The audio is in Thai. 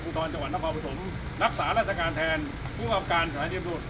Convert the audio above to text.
ผู้ท้อนจังหวัดนักภาคประสมนักศึการทางแทนผู้พลังการสถานการณ์